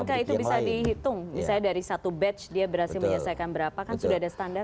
apakah itu bisa dihitung misalnya dari satu batch dia berhasil menyelesaikan berapa kan sudah ada standar